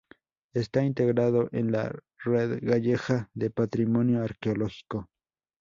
Está integrado en la "Red gallega de patrimonio arqueológico".